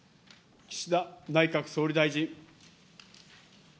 岸田内閣総理大臣。